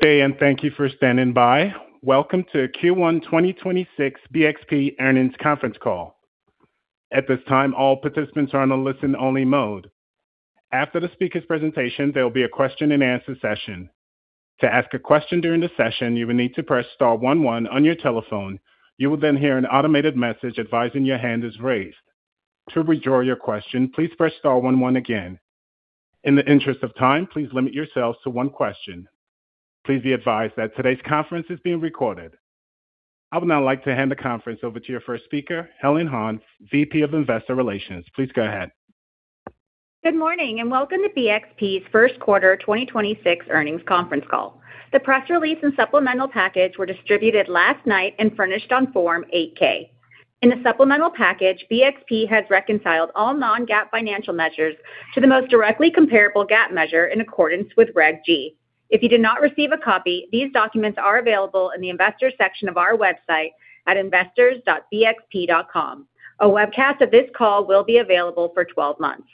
Good day. Thank you for standing by. Welcome to Q1 2026 BXP Earnings Conference Call. At this time, all participants are on a listen-only mode. After the speaker's presentation, there'll be a question-and-answer session. To ask a question during the session, you will need to press star one one on your telephone. You will hear an automated message advising your hand is raised. To withdraw your question, please press star one one again. In the interest of time, please limit yourselves to one question. Please be advised that today's conference is being recorded. I would now like to hand the conference over to your first speaker, Helen Han, VP of Investor Relations. Please go ahead. Good morning, and welcome to BXP's 1st quarter 2026 earnings conference call. The press release and supplemental package were distributed last night and furnished on Form 8-K. In the supplemental package, BXP has reconciled all non-GAAP financial measures to the most directly comparable GAAP measure in accordance with Regulation G. If you did not receive a copy, these documents are available in the investor section of our website at investors.bxp.com. A webcast of this call will be available for 12 months.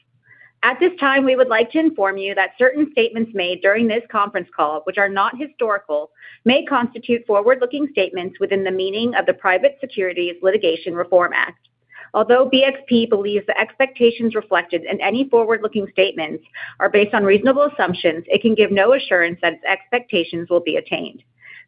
At this time, we would like to inform you that certain statements made during this conference call, which are not historical, may constitute forward-looking statements within the meaning of the Private Securities Litigation Reform Act. Although BXP believes the expectations reflected in any forward-looking statements are based on reasonable assumptions, it can give no assurance that its expectations will be attained.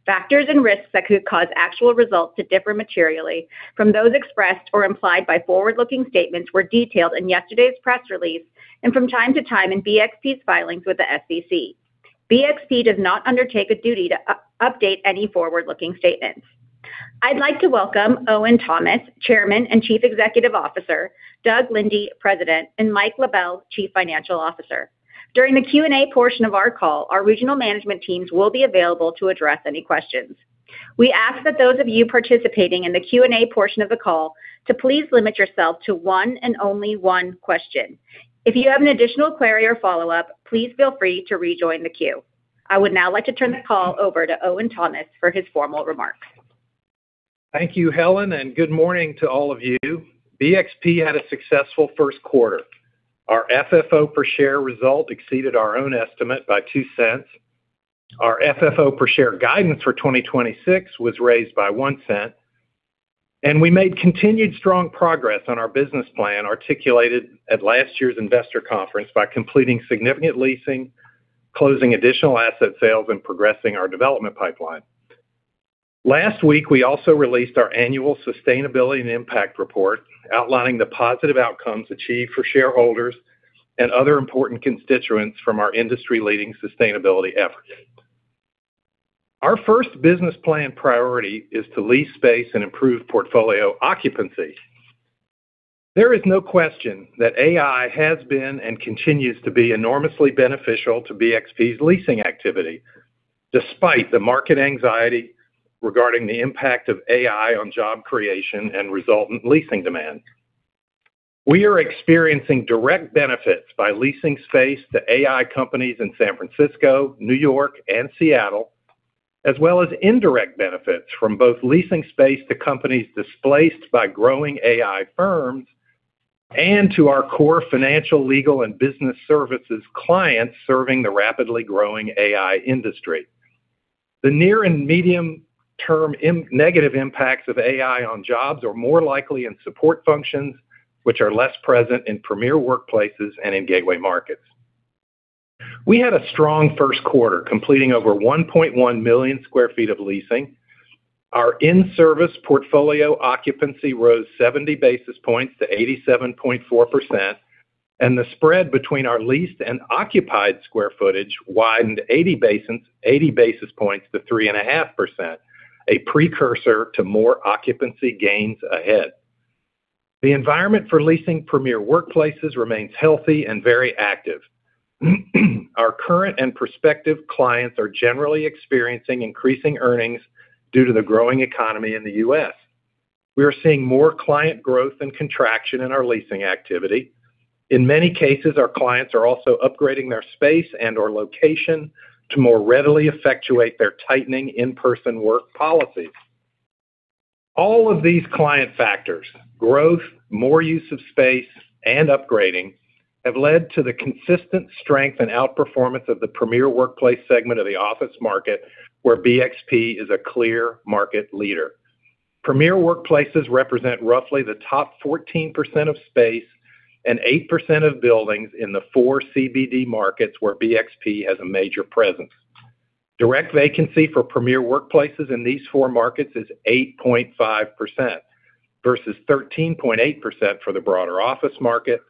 Factors and risks that could cause actual results to differ materially from those expressed or implied by forward-looking statements were detailed in yesterday's press release, and from time to time in BXP's filings with the SEC. BXP does not undertake a duty to update any forward-looking statements. I'd like to welcome Owen Thomas, Chairman and Chief Executive Officer, Doug Linde, President, and Michael LaBelle, Chief Financial Officer. During the Q&A portion of our call, our regional management teams will be available to address any questions. We ask that those of you participating in the Q&A portion of the call to please limit yourself to one and only one question. If you have an additional query or follow-up, please feel free to rejoin the queue. I would now like to turn the call over to Owen Thomas for his formal remarks. Thank you, Helen, and good morning to all of you. BXP had a successful first quarter. Our FFO per share result exceeded our own estimate by $0.02. Our FFO per share guidance for 2026 was raised by $0.01. We made continued strong progress on our business plan articulated at last year's investor conference by completing significant leasing, closing additional asset sales, and progressing our development pipeline. Last week, we also released our annual sustainability and impact report outlining the positive outcomes achieved for shareholders and other important constituents from our industry-leading sustainability efforts. Our first business plan priority is to lease space and improve portfolio occupancy. There is no question that AI has been and continues to be enormously beneficial to BXP's leasing activity, despite the market anxiety regarding the impact of AI on job creation and resultant leasing demand. We are experiencing direct benefits by leasing space to AI companies in San Francisco, New York, and Seattle, as well as indirect benefits from both leasing space to companies displaced by growing AI firms and to our core financial, legal, and business services clients serving the rapidly growing AI industry. The near and medium-term negative impacts of AI on jobs are more likely in support functions, which are less present in premier workplaces and in gateway markets. We had a strong first quarter, completing over 1.1 million sq ft of leasing. Our in-service portfolio occupancy rose 70 basis points to 87.4%, and the spread between our leased and occupied square footage widened 80 basis points to 3.5%, a precursor to more occupancy gains ahead. The environment for leasing premier workplaces remains healthy and very active. Our current and prospective clients are generally experiencing increasing earnings due to the growing economy in the U.S. We are seeing more client growth than contraction in our leasing activity. In many cases, our clients are also upgrading their space and/or location to more readily effectuate their tightening in-person work policies. All of these client factors, growth, more use of space, and upgrading, have led to the consistent strength and outperformance of the premier workplace segment of the office market, where BXP is a clear market leader. Premier workplaces represent roughly the top 14% of space and 8% of buildings in the four CBD markets where BXP has a major presence. Direct vacancy for premier workplaces in these four markets is 8.5% versus 13.8% for the broader office market,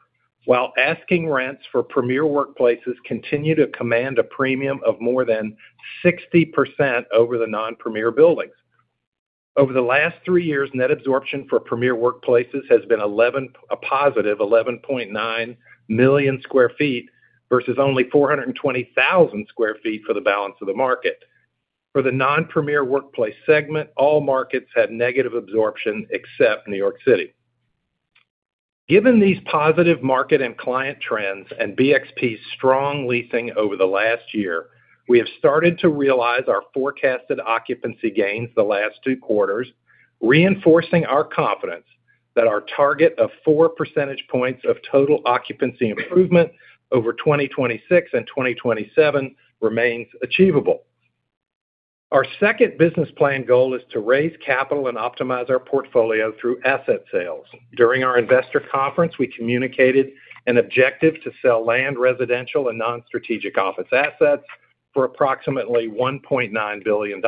while asking rents for premier workplaces continue to command a premium of more than 60% over the non-premier buildings. Over the last three years, net absorption for premier workplaces has been a positive 11.9 million square feet versus only 420,000 square feet for the balance of the market. For the non-premier workplace segment, all markets had negative absorption except New York City. Given these positive market and client trends and BXP's strong leasing over the last year, we have started to realize our forecasted occupancy gains the last two quarters, reinforcing our confidence that our target of 4 percentage points of total occupancy improvement over 2026 and 2027 remains achievable. Our second business plan goal is to raise capital and optimize our portfolio through asset sales. During our investor conference, we communicated an objective to sell land, residential, and non-strategic office assets for approximately $1.9 billion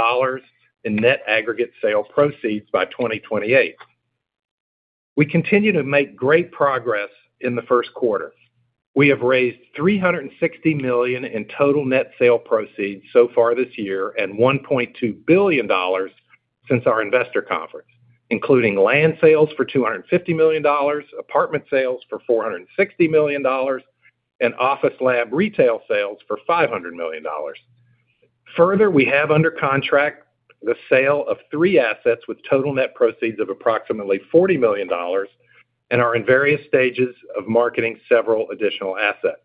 in net aggregate sale proceeds by 2028. We continue to make great progress in the first quarter. We have raised $360 million in total net sale proceeds so far this year and $1.2 billion since our investor conference, including land sales for $250 million, apartment sales for $460 million, and office lab retail sales for $500 million. Further, we have under contract the sale of three assets with total net proceeds of approximately $40 million and are in various stages of marketing several additional assets.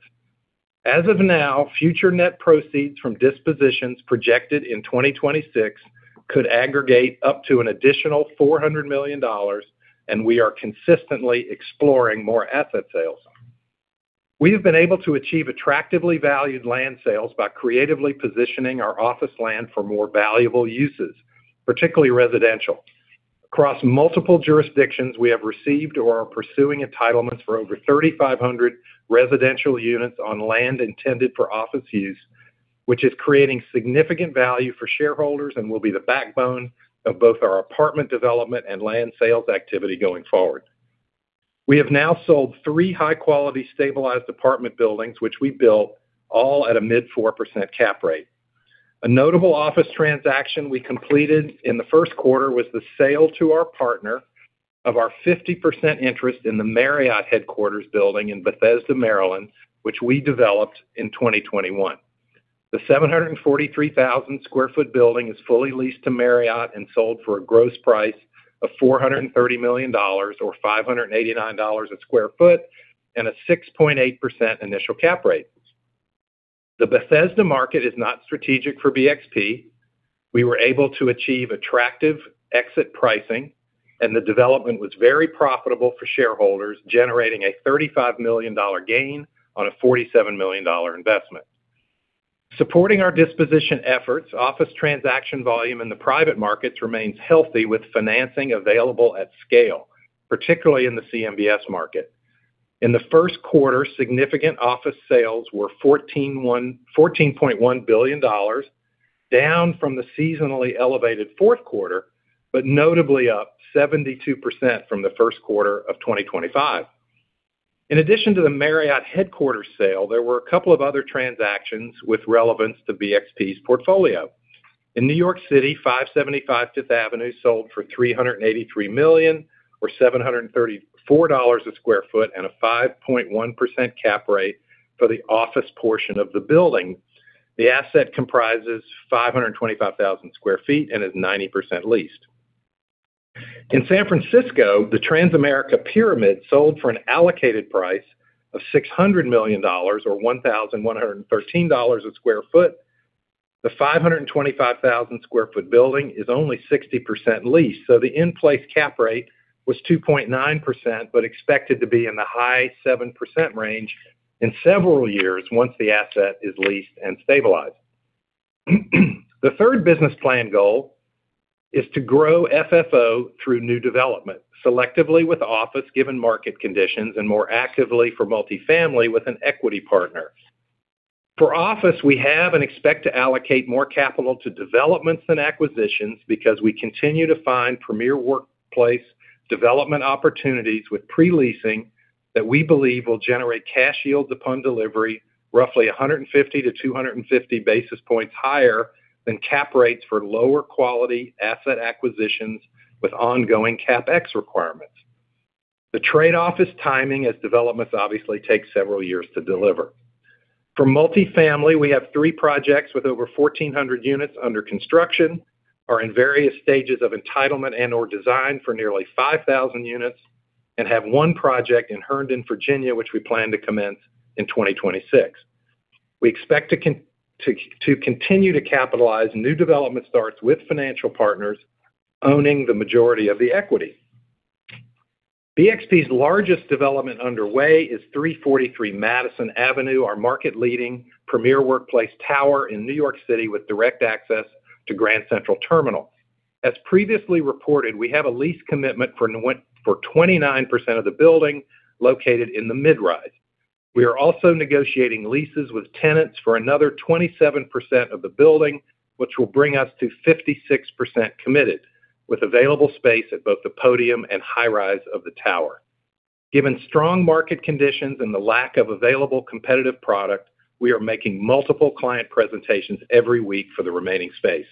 As of now, future net proceeds from dispositions projected in 2026 could aggregate up to an additional $400 million. We are consistently exploring more asset sales. We have been able to achieve attractively valued land sales by creatively positioning our office land for more valuable uses, particularly residential. Across multiple jurisdictions, we have received or are pursuing entitlements for over 3,500 residential units on land intended for office use, which is creating significant value for shareholders and will be the backbone of both our apartment development and land sales activity going forward. We have now sold three high-quality stabilized apartment buildings, which we built all at a mid 4% cap rate. A notable office transaction we completed in the first quarter was the sale to our partner of our 50% interest in the Marriott headquarters building in Bethesda, Maryland, which we developed in 2021. The 743,000 sq ft building is fully leased to Marriott and sold for a gross price of $430 million or $589 a sq ft and a 6.8% initial cap rate. The Bethesda market is not strategic for BXP. We were able to achieve attractive exit pricing, and the development was very profitable for shareholders, generating a $35 million gain on a $47 million investment. Supporting our disposition efforts, office transaction volume in the private markets remains healthy with financing available at scale, particularly in the CMBS market. In the first quarter, significant office sales were $14.1 billion, down from the seasonally elevated fourth quarter, but notably up 72% from the first quarter of 2025. In addition to the Marriott headquarters sale, there were a couple of other transactions with relevance to BXP's portfolio. In New York City, 575 Fifth Avenue sold for $383 million or $734 a square foot and a 5.1% cap rate for the office portion of the building. The asset comprises 525,000 square feet and is 90% leased. In San Francisco, the Transamerica Pyramid sold for an allocated price of $600 million or $1,113 a square foot. The 525,000 sq ft building is only 60% leased, so the in-place cap rate was 2.9%, but expected to be in the high 7% range in several years once the asset is leased and stabilized. The third business plan goal is to grow FFO through new development selectively with office given market conditions and more actively for multifamily with an equity partner. For office, we have and expect to allocate more capital to developments than acquisitions because we continue to find premier workplace development opportunities with pre-leasing that we believe will generate cash yields upon delivery roughly 150-250 basis points higher than cap rates for lower quality asset acquisitions with ongoing CapEx requirements. The trade-off is timing as developments obviously take several years to deliver. For multifamily, we have 3 projects with over 1,400 units under construction, are in various stages of entitlement and or design for nearly 5,000 units, and have one project in Herndon, Virginia, which we plan to commence in 2026. We expect to continue to capitalize new development starts with financial partners owning the majority of the equity. BXP's largest development underway is 343 Madison Avenue, our market leading premier workplace tower in New York City with direct access to Grand Central Terminal. As previously reported, we have a lease commitment for 29% of the building located in the mid-rise. We are also negotiating leases with tenants for another 27% of the building, which will bring us to 56% committed with available space at both the podium and high rise of the tower. Given strong market conditions and the lack of available competitive product, we are making multiple client presentations every week for the remaining space.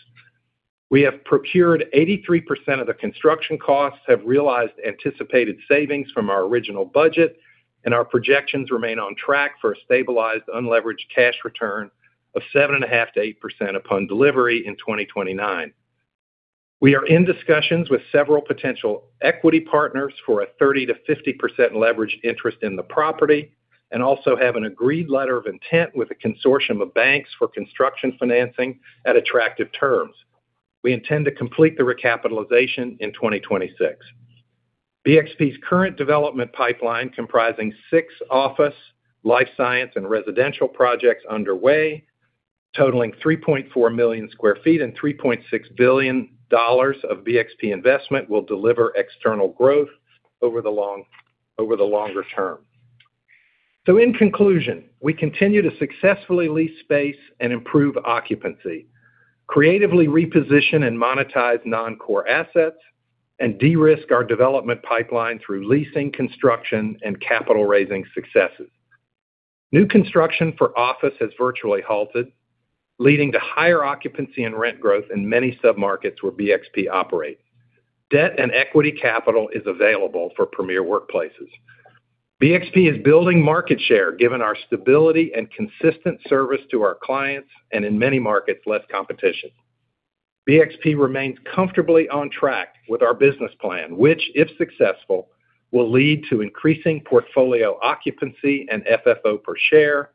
We have procured 83% of the construction costs, have realized anticipated savings from our original budget, and our projections remain on track for a stabilized unleveraged cash return of 7.5%-8% upon delivery in 2029. We are in discussions with several potential equity partners for a 30%-50% leverage interest in the property, and also have an agreed letter of intent with a consortium of banks for construction financing at attractive terms. We intend to complete the recapitalization in 2026. BXP's current development pipeline comprising six office, life science, and residential projects underway totaling 3.4 million square feet and $3.6 billion of BXP investment will deliver external growth over the longer term. In conclusion, we continue to successfully lease space and improve occupancy, creatively reposition and monetize non-core assets, and de-risk our development pipeline through leasing, construction, and capital raising successes. New construction for office has virtually halted, leading to higher occupancy and rent growth in many submarkets where BXP operates. Debt and equity capital is available for premier workplaces. BXP is building market share given our stability and consistent service to our clients and, in many markets, less competition. BXP remains comfortably on track with our business plan, which, if successful, will lead to increasing portfolio occupancy and FFO per share,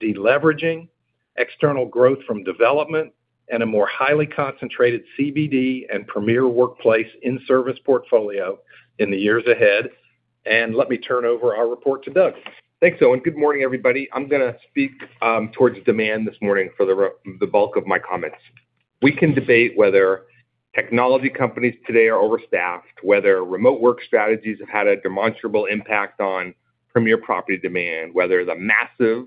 de-leveraging, external growth from development, and a more highly concentrated CBD and premier workplace in service portfolio in the years ahead. Let me turn over our report to Doug. Thanks, Owen. Good morning, everybody. I'm gonna speak towards demand this morning for the bulk of my comments. We can debate whether technology companies today are overstaffed, whether remote work strategies have had a demonstrable impact on premier property demand, whether the massive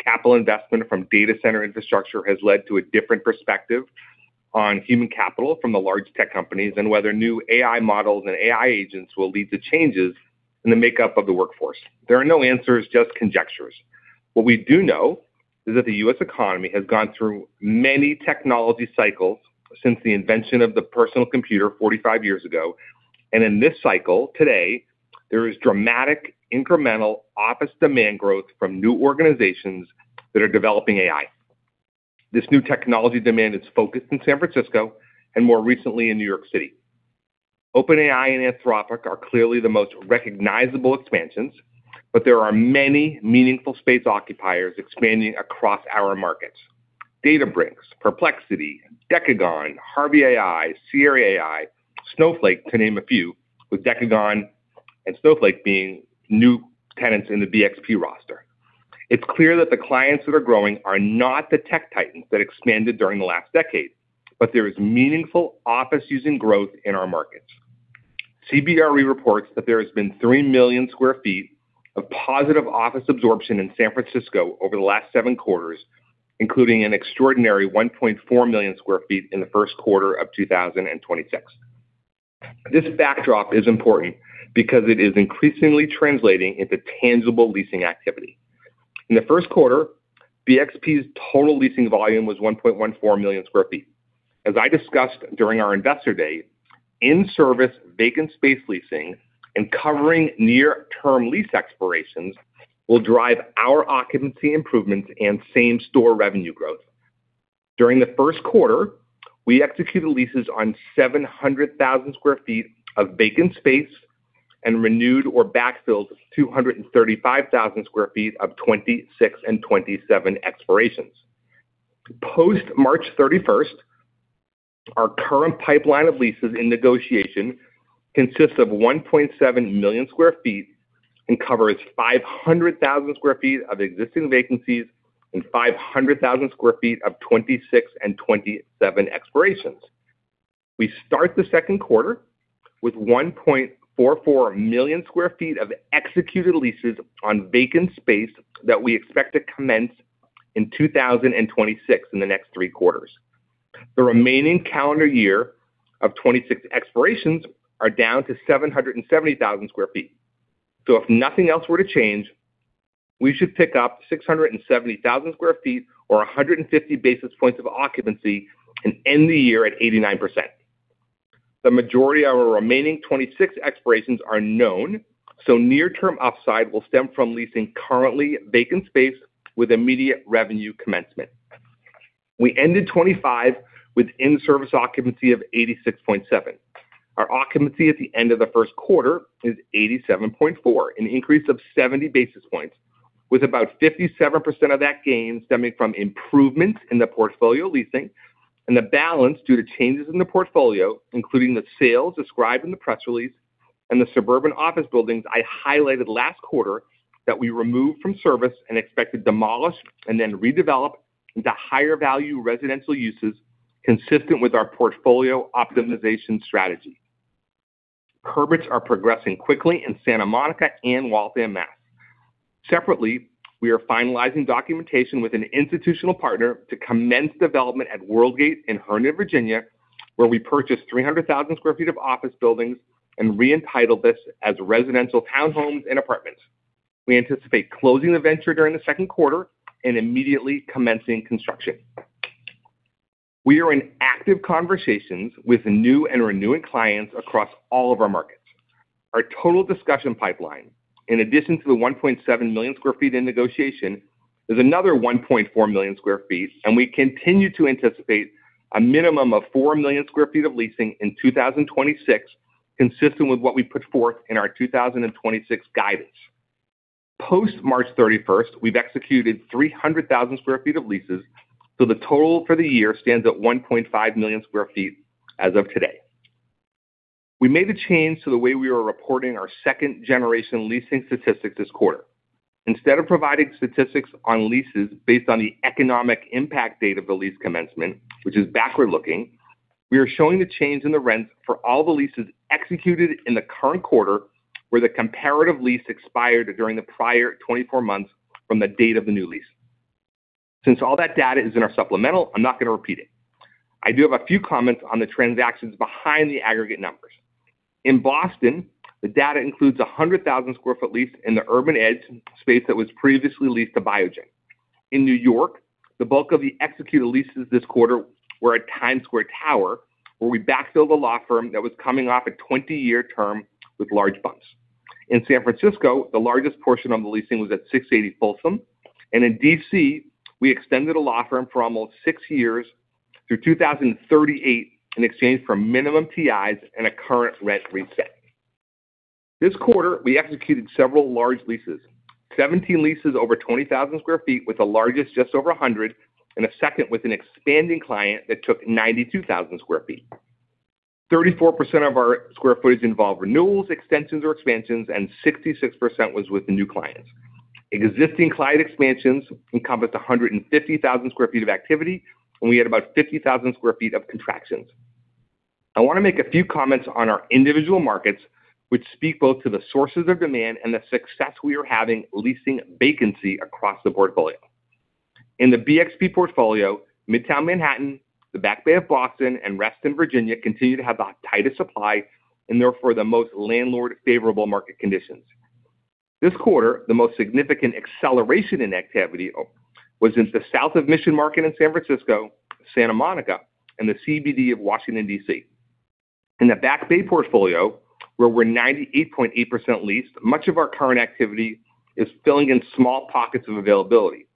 capital investment from data center infrastructure has led to a different perspective on human capital from the large tech companies, and whether new AI models and AI agents will lead to changes in the makeup of the workforce. There are no answers, just conjectures. What we do know is that the U.S. economy has gone through many technology cycles since the invention of the personal computer 45 years ago. In this cycle today, there is dramatic incremental office demand growth from new organizations that are developing AI. This new technology demand is focused in San Francisco and more recently in New York City. OpenAI and Anthropic are clearly the most recognizable expansions, but there are many meaningful space occupiers expanding across our markets. Databricks, Perplexity, Decagon, Harvey, Sierra, Snowflake, to name a few, with Decagon and Snowflake being new tenants in the BXP roster. It's clear that the clients that are growing are not the tech titans that expanded during the last decade, but there is meaningful office using growth in our markets. CBRE reports that there has been 3 million sq ft of positive office absorption in San Francisco over the last 7 quarters, including an extraordinary 1.4 million sq ft in the 1st quarter of 2026. This backdrop is important because it is increasingly translating into tangible leasing activity. In the 1st quarter, BXP's total leasing volume was 1.14 million sq ft. As I discussed during our investor day, in-service vacant space leasing and covering near term lease expirations will drive our occupancy improvements and same-store revenue growth. During the first quarter, we executed leases on 700,000 square feet of vacant space and renewed or backfilled 235,000 square feet of 2026 and 2027 expirations. Post March 31st, our current pipeline of leases in negotiation consists of 1.7 million square feet and covers 500,000 square feet of existing vacancies and 500,000 square feet of 2026 and 2027 expirations. We start the second quarter with 1.44 million square feet of executed leases on vacant space that we expect to commence in 2026 in the next three quarters. The remaining calendar year of 2026 expirations are down to 770,000 square feet. If nothing else were to change, we should pick up 670,000 sq ft or 150 basis points of occupancy and end the year at 89%. The majority of our remaining 26 expirations are known, near term upside will stem from leasing currently vacant space with immediate revenue commencement. We ended 2025 with in-service occupancy of 86.7%. Our occupancy at the end of the first quarter is 87.4%, an increase of 70 basis points, with about 57% of that gain stemming from improvements in the portfolio leasing and the balance due to changes in the portfolio, including the sales described in the press release and the suburban office buildings I highlighted last quarter that we removed from service and expect to demolish and then redevelop into higher value residential uses consistent with our portfolio optimization strategy. Entitlements are progressing quickly in Santa Monica and Waltham, Mass. Separately, we are finalizing documentation with an institutional partner to commence development at Worldgate in Herndon, Virginia, where we purchased 300,000 sq ft of office buildings and re-entitled this as residential townhomes and apartments. We anticipate closing the venture during the second quarter and immediately commencing construction. We are in active conversations with new and renewing clients across all of our markets. Our total discussion pipeline, in addition to the $1.7 million sq ft in negotiation, is another $1.4 million sq ft, and we continue to anticipate a minimum of $4 million sq ft of leasing in 2026, consistent with what we put forth in our 2026 guidance. Post March 31st, we've executed $300,000 sq ft of leases, so the total for the year stands at $1.5 million sq ft as of today. We made a change to the way we were reporting our second generation leasing statistics this quarter. Instead of providing statistics on leases based on the economic impact date of the lease commencement, which is backward-looking, we are showing the change in the rents for all the leases executed in the current quarter where the comparative lease expired during the prior 24 months from the date of the new lease. Since all that data is in our supplemental, I'm not going to repeat it. I do have a few comments on the transactions behind the aggregate numbers. In Boston, the data includes a 100,000 square foot lease in the Urban Edge space that was previously leased to Biogen. In New York, the bulk of the executed leases this quarter were at Times Square Tower, where we backfilled a law firm that was coming off a 20-year term with large bumps. In San Francisco, the largest portion of the leasing was at 680 Folsom. In D.C., we extended a law firm for almost 6 years through 2038 in exchange for minimum TIs and a current rent reset. This quarter, we executed several large leases. 17 leases over 20,000 square feet, with the largest just over 100, and a second with an expanding client that took 92,000 square feet. 34% of our square footage involved renewals, extensions, or expansions, and 66% was with the new clients. Existing client expansions encompassed 150,000 square feet of activity, and we had about 50,000 square feet of contractions. I want to make a few comments on our individual markets, which speak both to the sources of demand and the success we are having leasing vacancy across the portfolio. In the BXP portfolio, Midtown Manhattan, the Back Bay of Boston, and Reston, Virginia continue to have the tightest supply and therefore the most landlord favorable market conditions. This quarter, the most significant acceleration in activity was in the South of Mission Market in San Francisco, Santa Monica, and the CBD of Washington, D.C. In the Back Bay portfolio, where we're 98.8% leased, much of our current activity is filling in small pockets of availability.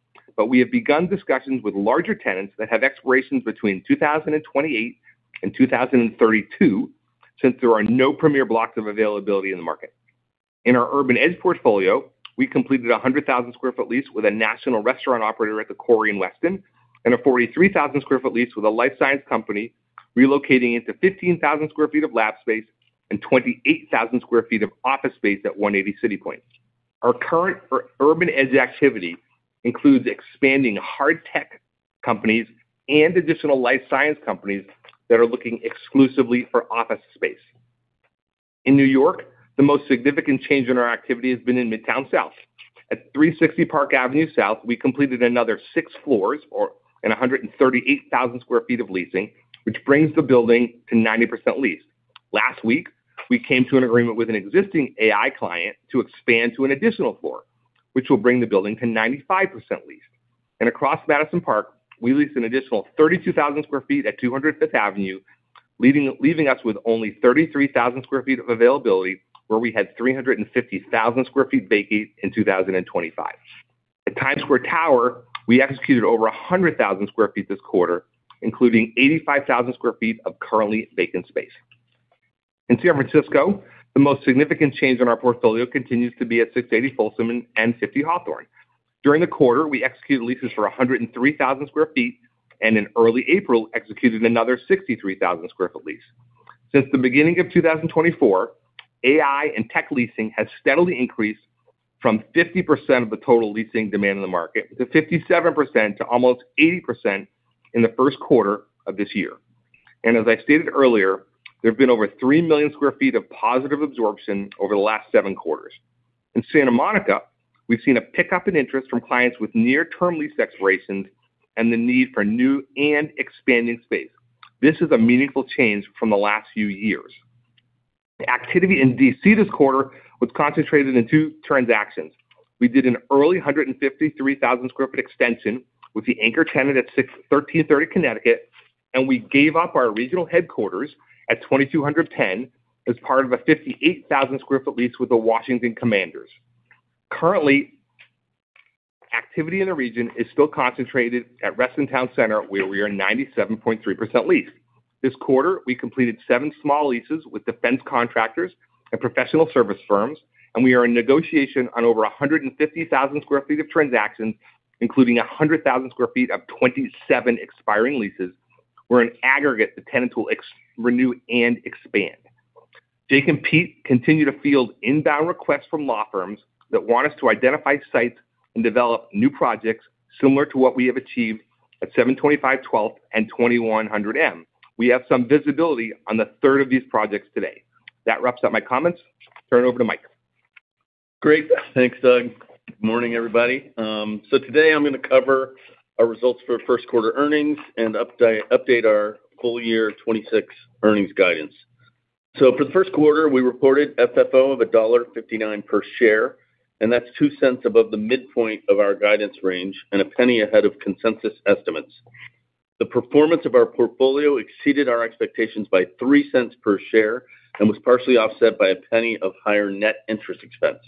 We have begun discussions with larger tenants that have expirations between 2028 and 2032, since there are no premier blocks of availability in the market. In our Urban Edge portfolio, we completed a 100,000 sq ft lease with a national restaurant operator at The Quarry in Weston and a 43,000 sq ft lease with a life science company relocating into 15,000 sq ft of lab space and 28,000 sq ft of office space at 180 CityPoint. Our current Urban Edge activity includes expanding hard tech companies and additional life science companies that are looking exclusively for office space. In New York, the most significant change in our activity has been in Midtown South. At 360 Park Avenue South, we completed another 6 floors or 138,000 sq ft of leasing, which brings the building to 90% leased. Last week, we came to an agreement with an existing AI client to expand to an additional floor, which will bring the building to 95% leased. Across Madison Park, we leased an additional 32,000 square feet at 200 Fifth Avenue, leaving us with only 33,000 square feet of availability, where we had 350,000 square feet vacant in 2025. At Times Square Tower, we executed over 100,000 square feet this quarter, including 85,000 square feet of currently vacant space. In San Francisco, the most significant change in our portfolio continues to be at 680 Folsom and 50 Hawthorne. During the quarter, we executed leases for 103,000 square feet, and in early April executed another 63,000 square foot lease. Since the beginning of 2024, AI and tech leasing has steadily increased from 50% of the total leasing demand in the market to 57% to almost 80% in the first quarter of this year. As I stated earlier, there have been over 3 million sq ft of positive absorption over the last 7 quarters. In Santa Monica, we've seen a pickup in interest from clients with near-term lease expirations and the need for new and expanding space. This is a meaningful change from the last few years. The activity in D.C. this quarter was concentrated in 2 transactions. We did an early 153,000 sq ft extension with the anchor tenant at 6130 Connecticut, and we gave up our regional headquarters at 2200 Pennsylvania Avenue as part of a 58,000 sq ft lease with the Washington Commanders. Currently, activity in the region is still concentrated at Reston Town Center, where we are 97.3% leased. This quarter, we completed 7 small leases with defense contractors and professional service firms, and we are in negotiation on over 150,000 sq ft of transactions, including 100,000 sq ft of 27 expiring leases, where in aggregate the tenants will renew and expand. John Stroman and Pete Otteni continue to field inbound requests from law firms that want us to identify sites and develop new projects similar to what we have achieved at 725 12th Street and 2100 M. We have some visibility on the third of these projects today. That wraps up my comments. Turn it over to Mike. Great. Thanks, Doug. Good morning, everybody. Today I'm gonna cover our results for 1st quarter earnings and update our full year 2026 earnings guidance. For the 1st quarter, we reported FFO of $1.59 per share, and that's $0.02 above the midpoint of our guidance range and $0.01 ahead of consensus estimates. The performance of our portfolio exceeded our expectations by $0.03 per share and was partially offset by $0.01 of higher net interest expense.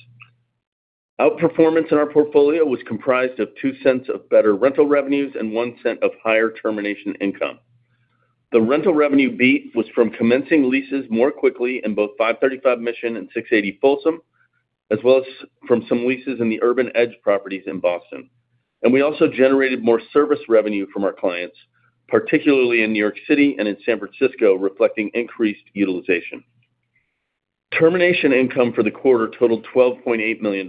Outperformance in our portfolio was comprised of $0.02 of better rental revenues and $0.01 of higher termination income. The rental revenue beat was from commencing leases more quickly in both 535 Mission and 680 Folsom, as well as from some leases in the Urban Edge properties in Boston. We also generated more service revenue from our clients, particularly in New York City and in San Francisco, reflecting increased utilization. Termination income for the quarter totaled $12.8 million,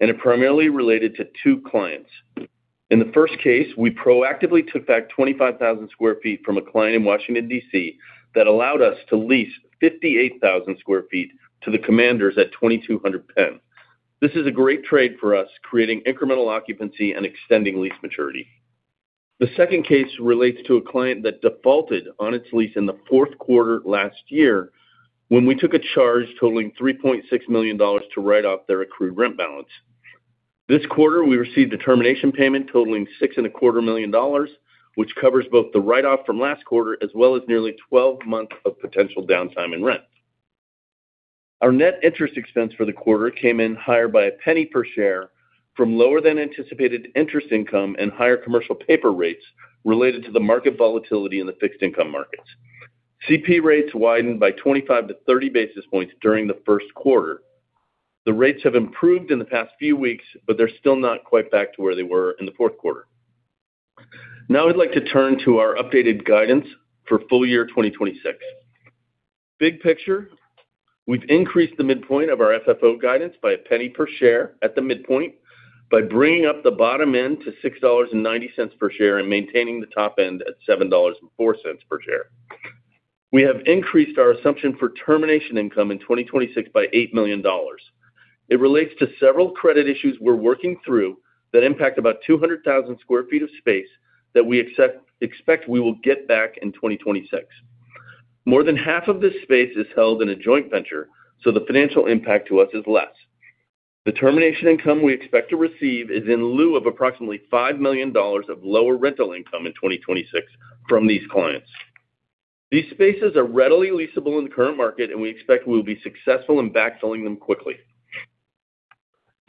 and it primarily related to two clients. In the first case, we proactively took back 25,000 sq ft from a client in Washington, D.C., that allowed us to lease 58,000 sq ft to the Commanders at 2200 Penn. This is a great trade for us, creating incremental occupancy and extending lease maturity. The second case relates to a client that defaulted on its lease in the fourth quarter last year when we took a charge totaling $3.6 million to write off their accrued rent balance. This quarter, we received a termination payment totaling six and a quarter million dollars, which covers both the write off from last quarter as well as nearly 12 months of potential downtime in rent. Our net interest expense for the quarter came in higher by $0.01 per share from lower than anticipated interest income and higher commercial paper rates related to the market volatility in the fixed income markets. CP rates widened by 25-30 basis points during the first quarter. The rates have improved in the past few weeks, they're still not quite back to where they were in the fourth quarter. I'd like to turn to our updated guidance for full year 2026. Big picture, we've increased the midpoint of our FFO guidance by $0.01 per share at the midpoint by bringing up the bottom end to $6.90 per share and maintaining the top end at $7.04 per share. We have increased our assumption for termination income in 2026 by $8 million. It relates to several credit issues we're working through that impact about 200,000 sq ft of space that we expect we will get back in 2026. More than half of this space is held in a joint venture, so the financial impact to us is less. The termination income we expect to receive is in lieu of approximately $5 million of lower rental income in 2026 from these clients. These spaces are readily leasable in the current market, and we expect we will be successful in backfilling them quickly.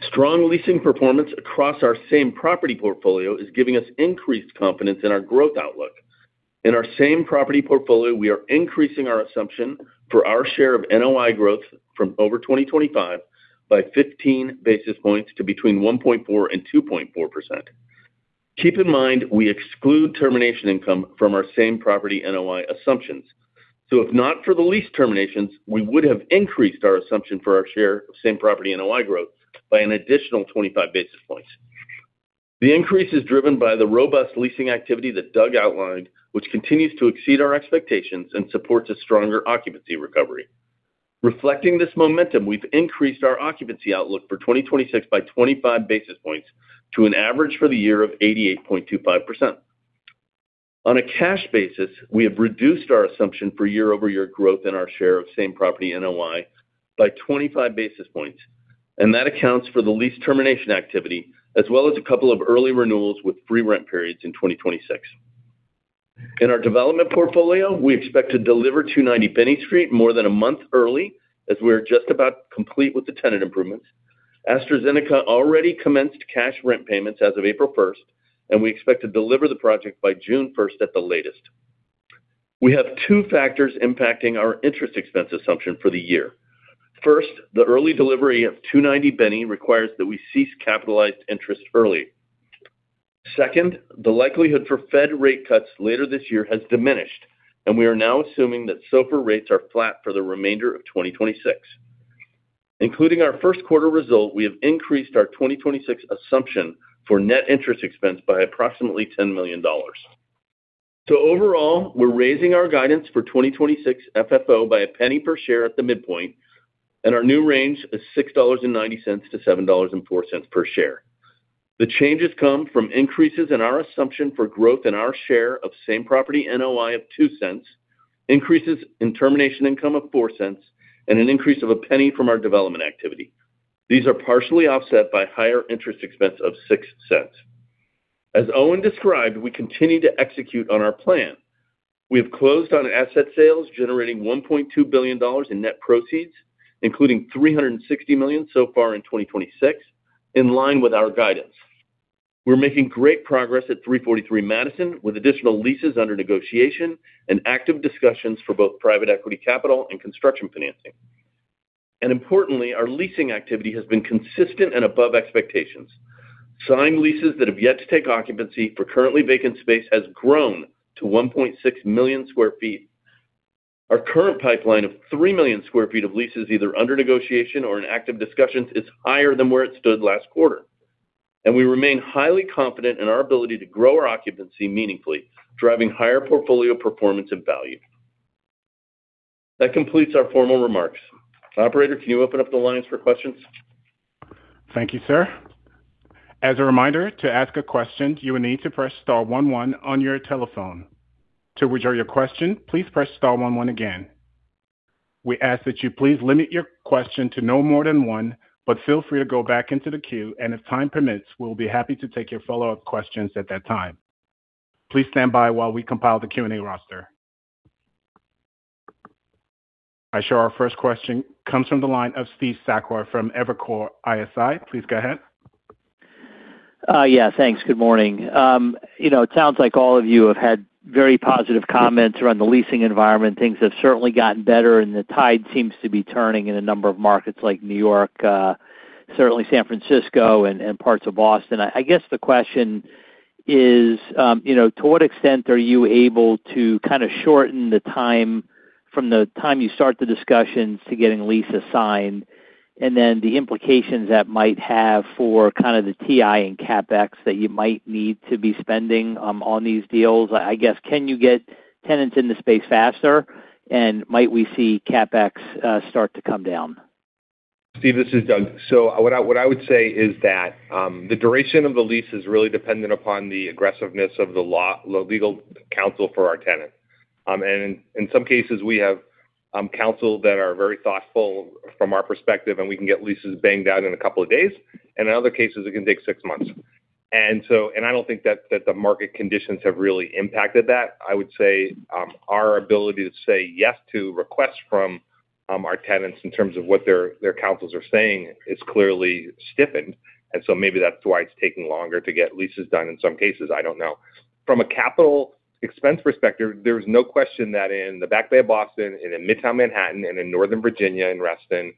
Strong leasing performance across our same property portfolio is giving us increased confidence in our growth outlook. In our same property portfolio, we are increasing our assumption for our share of NOI growth from over 2025 by 15 basis points to between 1.4% and 2.4%. Keep in mind, we exclude termination income from our same property NOI assumptions. If not for the lease terminations, we would have increased our assumption for our share of same property NOI growth by an additional 25 basis points. The increase is driven by the robust leasing activity that Doug outlined, which continues to exceed our expectations and supports a stronger occupancy recovery. Reflecting this momentum, we've increased our occupancy outlook for 2026 by 25 basis points to an average for the year of 88.25%. On a cash basis, we have reduced our assumption for year-over-year growth in our share of same property NOI by 25 basis points, that accounts for the lease termination activity as well as a couple of early renewals with free rent periods in 2026. In our development portfolio, we expect to deliver 290 Binney Street more than a month early, as we are just about complete with the Tenant Improvements. AstraZeneca already commenced cash rent payments as of April 1st, we expect to deliver the project by June 1st at the latest. We have two factors impacting our interest expense assumption for the year. First, the early delivery of 290 Binney requires that we cease Capitalized Interest early. Second, the likelihood for Fed rate cuts later this year has diminished, and we are now assuming that SOFR rates are flat for the remainder of 2026. Including our first quarter result, we have increased our 2026 assumption for net interest expense by approximately $10 million. Overall, we're raising our guidance for 2026 FFO by $0.01 per share at the midpoint, and our new range is $6.90-$7.04 per share. The changes come from increases in our assumption for growth in our share of same property NOI of $0.02, increases in termination income of $0.04, and an increase of $0.01 from our development activity. These are partially offset by higher interest expense of $0.06. As Owen described, we continue to execute on our plan. We have closed on asset sales generating $1.2 billion in net proceeds, including $360 million so far in 2026, in line with our guidance. We're making great progress at 343 Madison with additional leases under negotiation and active discussions for both private equity capital and construction financing. Importantly, our leasing activity has been consistent and above expectations. Signed leases that have yet to take occupancy for currently vacant space has grown to 1.6 million sq ft. Our current pipeline of 3 million sq ft of leases either under negotiation or in active discussions is higher than where it stood last quarter. We remain highly confident in our ability to grow our occupancy meaningfully, driving higher portfolio performance and value. That completes our formal remarks. Operator, can you open up the lines for questions? Thank you, sir. As a reminder, to ask a question, you will need to press star one one on your telephone. To withdraw your question, please press star one one again. We ask that you please limit your question to no more than one, but feel free to go back into the queue, and if time permits, we'll be happy to take your follow-up questions at that time. Please stand by while we compile the Q&A roster. I show our first question comes from the line of Steve Sakwa from Evercore ISI. Please go ahead. Yeah, thanks. Good morning. You know, it sounds like all of you have had very positive comments around the leasing environment. Things have certainly gotten better, and the tide seems to be turning in a number of markets like New York, certainly San Francisco and parts of Boston. I guess the question is, you know, to what extent are you able to kind of shorten the time from the time you start the discussions to getting leases signed, and then the implications that might have for kind of the TI and CapEx that you might need to be spending on these deals? I guess, can you get tenants in the space faster, and might we see CapEx start to come down? Steve, this is Doug. What I would say is that the duration of the lease is really dependent upon the aggressiveness of the legal counsel for our tenant. In some cases, we have counsel that are very thoughtful from our perspective, and we can get leases banged out in a couple of days. In other cases, it can take six months. I don't think that the market conditions have really impacted that. I would say our ability to say yes to requests from our tenants in terms of what their counsels are saying is clearly stiffened. Maybe that's why it's taking longer to get leases done in some cases, I don't know. From a capital expense perspective, there's no question that in the Back Bay of Boston and in Midtown Manhattan and in Northern Virginia and Reston,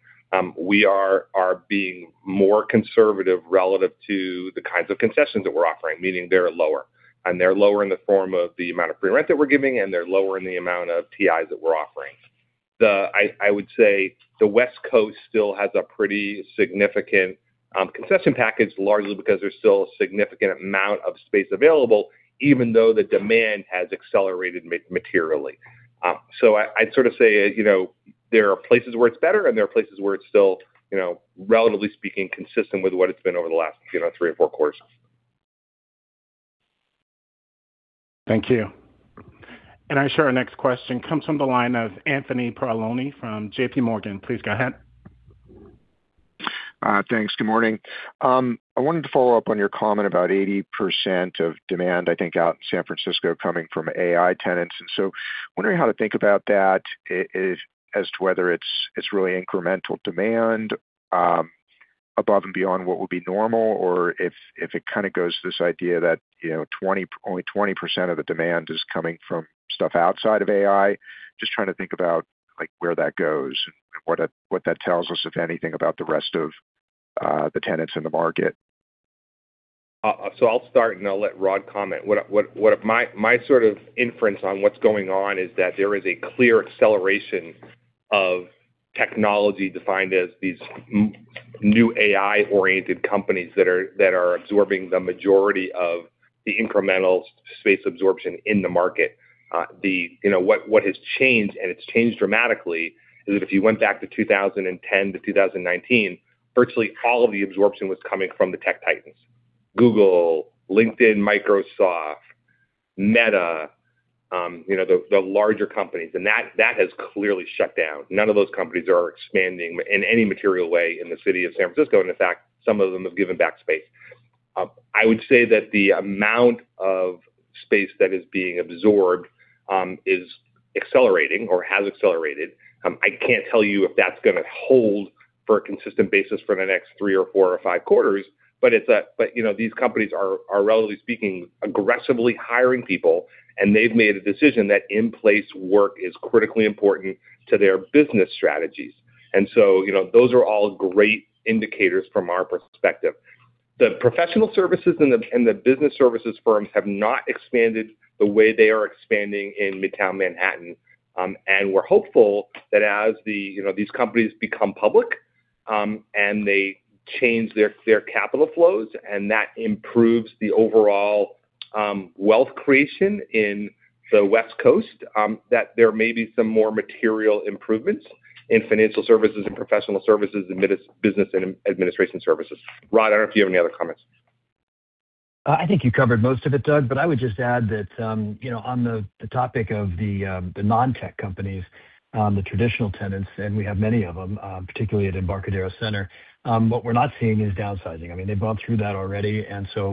we are being more conservative relative to the kinds of concessions that we're offering, meaning they're lower. They're lower in the form of the amount of free rent that we're giving, and they're lower in the amount of TIs that we're offering. I would say the West Coast still has a pretty significant concession package, largely because there's still a significant amount of space available, even though the demand has accelerated materially. I'd sort of say, you know, there are places where it's better and there are places where it's still, you know, relatively speaking, consistent with what it's been over the last, you know, three or four quarters. Thank you. I show our next question comes from the line of Anthony Paolone from JPMorgan. Please go ahead. Thanks. Good morning. I wanted to follow up on your comment about 80% of demand, I think out in San Francisco coming from AI tenants. Wondering how to think about that as to whether it's really incremental demand above and beyond what would be normal or if it kind of goes to this idea that, you know, only 20% of the demand is coming from stuff outside of AI. Just trying to think about, like, where that goes and what that tells us, if anything, about the rest of the tenants in the market. I'll start, and I'll let Rod comment. My sort of inference on what's going on is that there is a clear acceleration of technology defined as these new AI-oriented companies that are absorbing the majority of the incremental space absorption in the market. You know what has changed, and it's changed dramatically, is that if you went back to 2010-2019, virtually all of the absorption was coming from the tech titans. Google, LinkedIn, Microsoft, Meta, you know, the larger companies. That has clearly shut down. None of those companies are expanding in any material way in the city of San Francisco. In fact, some of them have given back space. I would say that the amount of space that is being absorbed is accelerating or has accelerated. I can't tell you if that's gonna hold for a consistent basis for the next 3 or 4 or 5 quarters, but you know, these companies are, relatively speaking, aggressively hiring people, and they've made a decision that in-place work is critically important to their business strategies. You know, those are all great indicators from our perspective. The professional services and the business services firms have not expanded the way they are expanding in Midtown Manhattan. We're hopeful that as the... you know, these companies become public, and they change their capital flows and that improves the overall, wealth creation in the West Coast, that there may be some more material improvements in financial services and professional services, business and administration services. Rod, I don't know if you have any other comments. I think you covered most of it, Doug, but I would just add that on the topic of the non-tech companies, the traditional tenants, and we have many of them, particularly at Embarcadero Center, what we're not seeing is downsizing. I mean, they've gone through that already.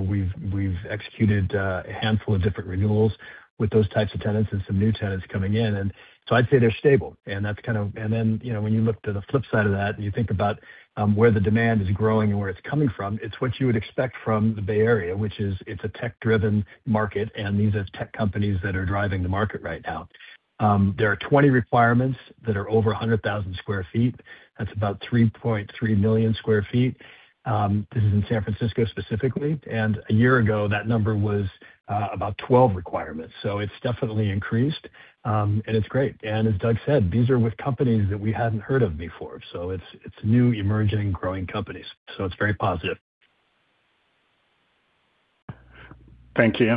We've executed a handful of different renewals with those types of tenants and some new tenants coming in. I'd say they're stable. When you look to the flip side of that and you think about where the demand is growing and where it's coming from, it's what you would expect from the Bay Area, which is it's a tech-driven market, and these are tech companies that are driving the market right now. There are 20 requirements that are over 100,000 sq ft. That's about 3.3 million sq ft. This is in San Francisco specifically. A year ago, that number was about 12 requirements. It's definitely increased. It's great. As Doug said, these are with companies that we hadn't heard of before. It's new, emerging, growing companies. It's very positive. Thank you.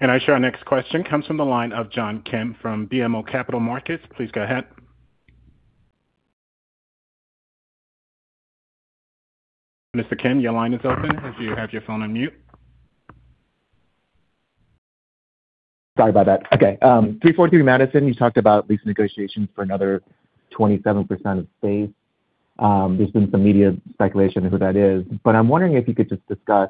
I show our next question comes from the line of John Kim from BMO Capital Markets. Please go ahead. Mr. Kim, your line is open if you have your phone on mute. Sorry about that. Okay. 343 Madison, you talked about lease negotiations for another 27% of space. There's been some media speculation of who that is. I'm wondering if you could just discuss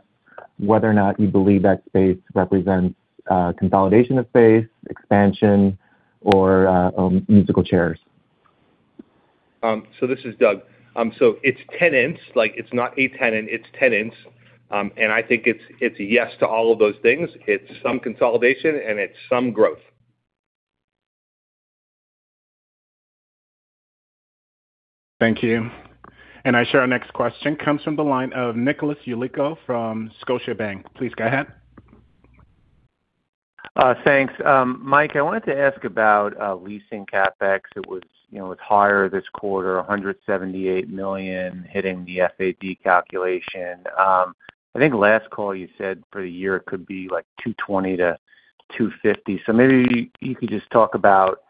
whether or not you believe that space represents consolidation of space, expansion, or musical chairs. This is Doug. It's tenants, it's not a tenant, it's tenants. I think it's a yes to all of those things. It's some consolidation, and it's some growth. Thank you. I show our next question comes from the line of Nicholas Yulico from Scotiabank. Please go ahead. Thanks. Mike, I wanted to ask about leasing CapEx. It was, you know, it was higher this quarter, $178 million hitting the FAD calculation. I think last call you said for the year it could be like $220 million-$250 million. Maybe you could just talk about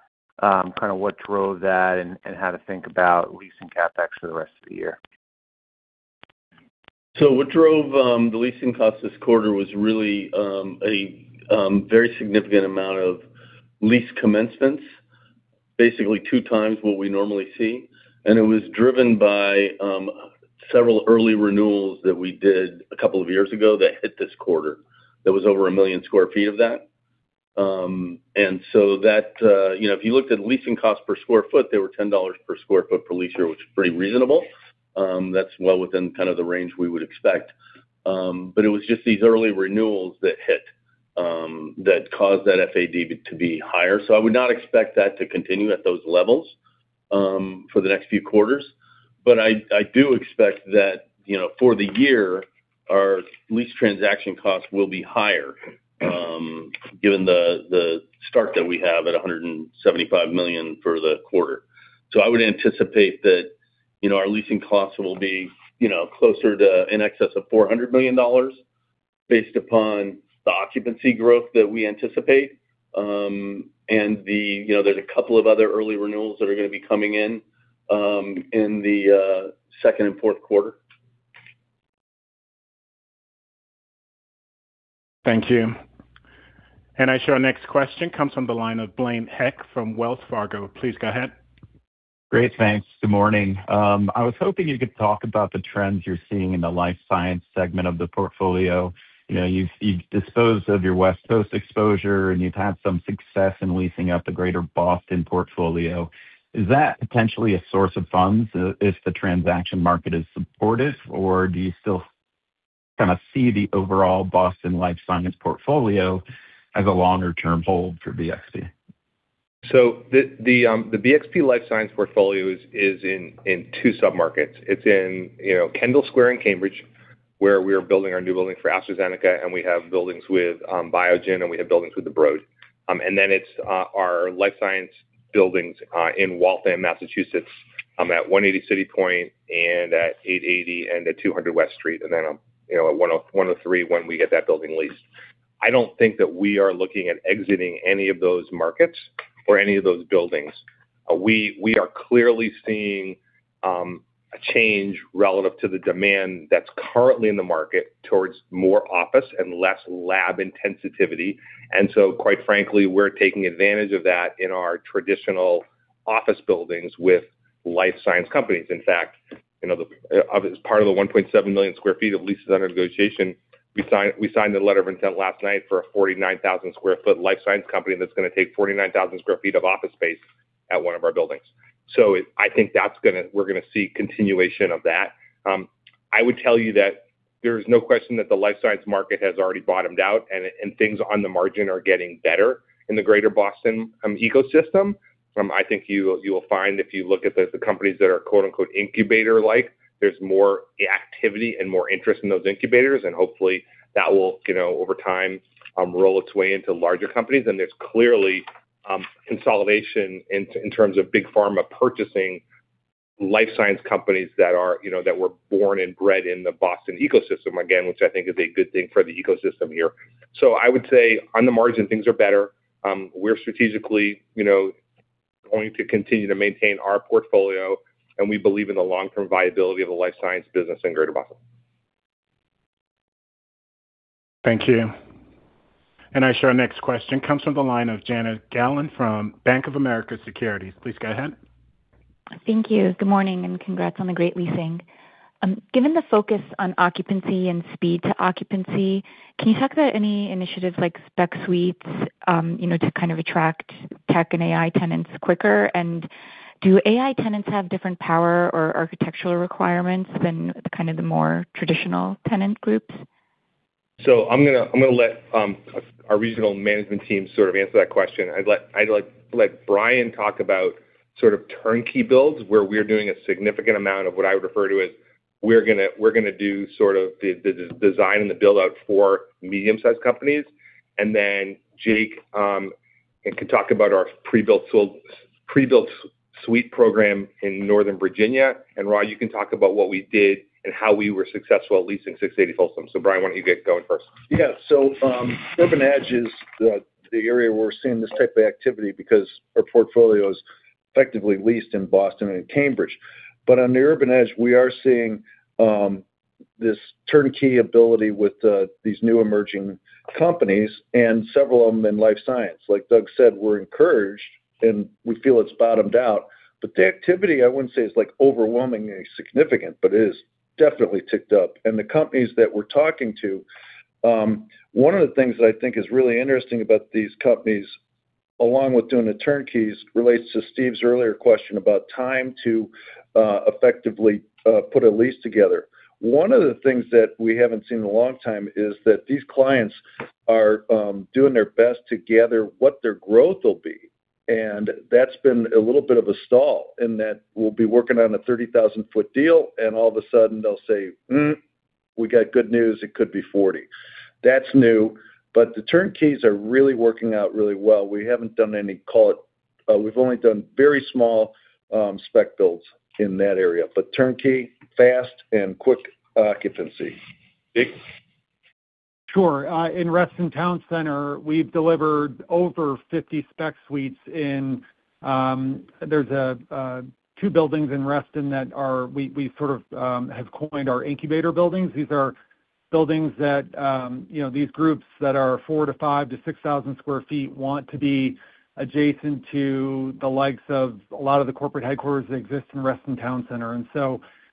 kind of what drove that and how to think about leasing CapEx for the rest of the year. What drove the leasing cost this quarter was really a very significant amount of lease commencements, basically 2 times what we normally see. It was driven by several early renewals that we did a couple of years ago that hit this quarter. There was over 1 million sq ft of that. You know, if you looked at leasing cost per sq ft, they were $10 per sq ft per leaser, which is pretty reasonable. That's well within kind of the range we would expect. It was just these early renewals that hit that caused that FAD to be higher. I would not expect that to continue at those levels for the next few quarters. I do expect that, you know, for the year, our lease transaction costs will be higher, given the start that we have at $175 million for the quarter. I would anticipate that, you know, our leasing costs will be, you know, closer to in excess of $400 million based upon the occupancy growth that we anticipate. You know, there's a couple of other early renewals that are gonna be coming in the second and fourth quarter. Thank you. I show our next question comes from the line of Blaine Heck from Wells Fargo. Please go ahead. Great. Thanks. Good morning. I was hoping you could talk about the trends you're seeing in the life science segment of the portfolio. You know, you've disposed of your West Coast exposure, and you've had some success in leasing up the greater Boston portfolio. Is that potentially a source of funds if the transaction market is supportive, or do you still kind of see the overall Boston life science portfolio as a longer term hold for BXP? The BXP life science portfolio is in 2 sub-markets. It's in, you know, Kendall Square in Cambridge, where we're building our new building for AstraZeneca, and we have buildings with Biogen, and we have buildings with the Broad. Then it's our life science buildings in Waltham, Massachusetts, at 180 CityPoint and at 880 and at 200 West Street, and then, you know, at 103 when we get that building leased. I don't think that we are looking at exiting any of those markets or any of those buildings. We are clearly seeing a change relative to the demand that's currently in the market towards more office and less lab intensitivity. Quite frankly, we're taking advantage of that in our traditional office buildings with life science companies. In fact, the as part of the 1.7 million square feet of leases under negotiation, we signed a letter of intent last night for a 49,000 square foot life science company that's gonna take 49,000 square feet of office space at one of our buildings. I think that's gonna we're gonna see continuation of that. I would tell you that there's no question that the life science market has already bottomed out and things on the margin are getting better in the greater Boston ecosystem. I think you will find if you look at the companies that are quote-unquote incubator-like, there's more activity and more interest in those incubators. Hopefully that will, you know, over time, roll its way into larger companies. There's clearly consolidation in terms of big pharma purchasing life science companies that are, you know, that were born and bred in the Boston ecosystem, again, which I think is a good thing for the ecosystem here. I would say on the margin, things are better. We're strategically, you know, going to continue to maintain our portfolio, and we believe in the long-term viability of the life science business in Greater Boston. Thank you. I show our next question comes from the line of Jana Galan from Bank of America Securities. Please go ahead. Thank you. Good morning, and congrats on the great leasing. Given the focus on occupancy and speed to occupancy, can you talk about any initiatives like spec suites, you know, to kind of attract tech and AI tenants quicker? Do AI tenants have different power or architectural requirements than kind of the more traditional tenant groups? I'm gonna let our regional management team sort of answer that question. I'd like let Brian talk about sort of turnkey builds, where we're doing a significant amount of what I would refer to as we're gonna do sort of the design and the build-out for medium-sized companies. John Stroman can talk about our pre-built suite program in Northern Virginia. Rod, you can talk about what we did and how we were successful at leasing 680 Folsom. Brian, why don't you get going first? Yeah. Urban Edge is the area where we're seeing this type of activity because our portfolio is effectively leased in Boston and Cambridge. On the Urban Edge, we are seeing. This turnkey ability with these new emerging companies and several of them in life science. Like Doug said, we're encouraged, and we feel it's bottomed out. The activity, I wouldn't say, is like overwhelmingly significant, but it is definitely ticked up. The companies that we're talking to, one of the things that I think is really interesting about these companies, along with doing the turnkeys, relates to Steve's earlier question about time to effectively put a lease together. One of the things that we haven't seen in a long time is that these clients are doing their best to gather what their growth will be, and that's been a little bit of a stall in that we'll be working on a 30,000-foot deal, and all of a sudden they'll say, "We got good news. It could be 40." That's new. The turnkeys are really working out really well. We haven't done any call it. We've only done very small spec builds in that area. Turnkey, fast, and quick occupancy. Nick. Sure. In Reston Town Center, we've delivered over 50 spec suites in. There's two buildings in Reston that are we sort of have coined our incubator buildings. These are buildings that, you know, these groups that are 4,000 to 5,000 to 6,000 sq ft want to be adjacent to the likes of a lot of the corporate headquarters that exist in Reston Town Center.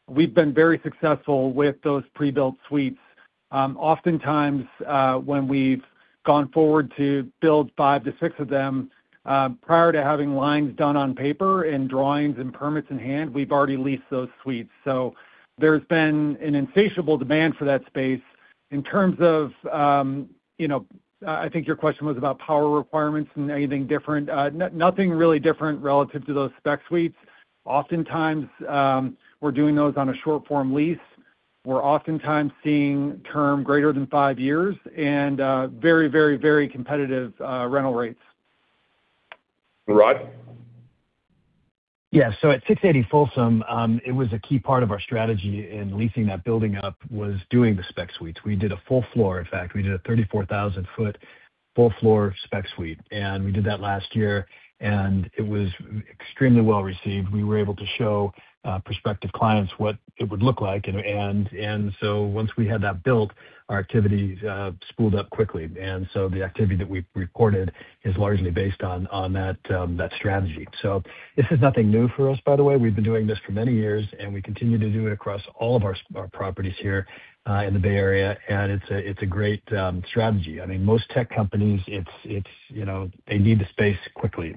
We've been very successful with those pre-built suites. Oftentimes, when we've gone forward to build five to six of them, prior to having lines done on paper and drawings and permits in hand, we've already leased those suites. There's been an insatiable demand for that space. In terms of, you know, I think your question was about power requirements and anything different. Nothing really different relative to those spec suites. Oftentimes, we're doing those on a short form lease. We're oftentimes seeing term greater than five years and very competitive rental rates. Rod. At 680 Folsom, it was a key part of our strategy in leasing that building up was doing the spec suites. We did a full floor. In fact, we did a 34,000-foot full floor spec suite. We did that last year, and it was extremely well received. We were able to show prospective clients what it would look like. Once we had that built, our activity spooled up quickly. The activity that we've recorded is largely based on that strategy. This is nothing new for us, by the way. We've been doing this for many years, and we continue to do it across all of our properties here in the Bay Area. It's a great strategy. I mean, most tech companies, it's, you know, they need the space quickly.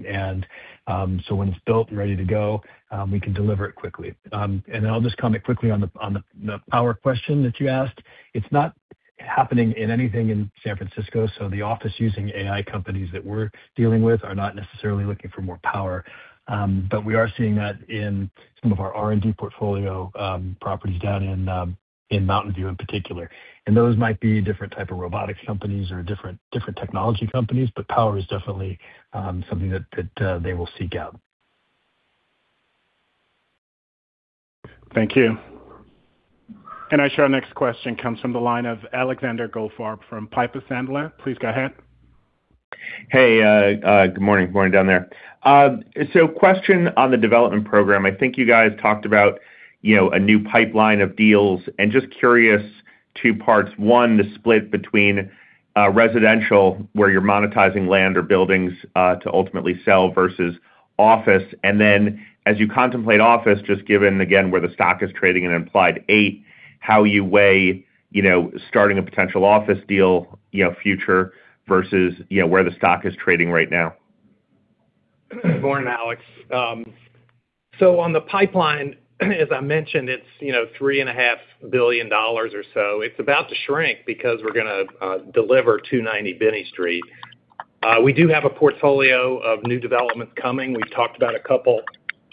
When it's built and ready to go, we can deliver it quickly. I'll just comment quickly on the power question that you asked. It's not happening in anything in San Francisco, the office using AI companies that we're dealing with are not necessarily looking for more power. We are seeing that in some of our R&D portfolio properties down in Mountain View in particular. Those might be different type of robotics companies or different technology companies, power is definitely something that they will seek out. Thank you. Our next question comes from the line of Alexander Goldfarb from Piper Sandler. Please go ahead. Hey, good morning. Good morning down there. Question on the development program. I think you guys talked about, you know, a new pipeline of deals, just curious, 2 parts. 1, the split between residential, where you're monetizing land or buildings, to ultimately sell versus office. As you contemplate office, just given again where the stock is trading an implied 8, how you weigh, you know, starting a potential office deal, you know, future versus, you know, where the stock is trading right now. Morning, Alex. On the pipeline, as I mentioned, it's, you know, $3.5 billion or so. It's about to shrink because we're gonna deliver 290 Binney Street. We do have a portfolio of new developments coming. We've talked about a couple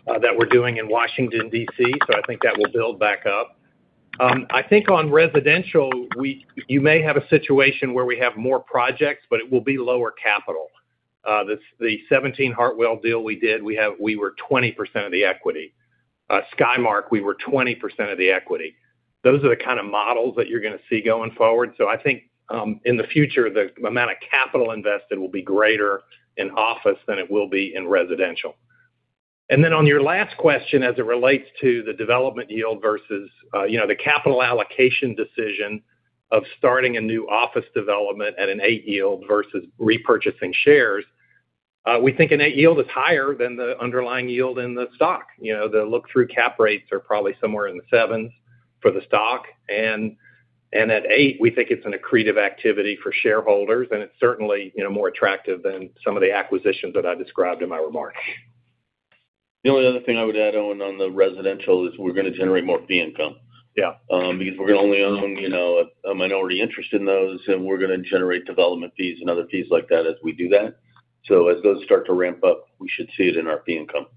that we're doing in Washington, D.C., I think that will build back up. I think on residential, you may have a situation where we have more projects, but it will be lower capital. The 17 Hartwell deal we did, we were 20% of the equity. Skymark, we were 20% of the equity. Those are the kind of models that you're gonna see going forward. I think, in the future, the amount of capital invested will be greater in office than it will be in residential. On your last question, as it relates to the development yield versus, you know, the capital allocation decision of starting a new office development at an 8 yield versus repurchasing shares, we think an 8 yield is higher than the underlying yield in the stock. You know, the look-through cap rates are probably somewhere in the 7s for the stock. At 8, we think it's an accretive activity for shareholders, and it's certainly, you know, more attractive than some of the acquisitions that I described in my remarks. The only other thing I would add, Owen, on the residential is we're gonna generate more fee income. Yeah. Because we're gonna only own, you know, a minority interest in those, and we're gonna generate development fees and other fees like that as we do that. As those start to ramp up, we should see it in our fee income.